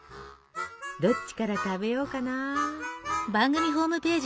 どっちから食べようかな。